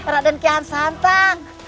raden kian santang